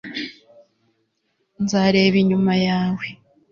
nzareba inyuma yawe